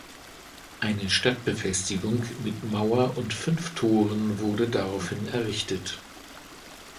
Eine Stadtbefestigung mit Mauer und fünf Toren wurde daraufhin errichtet.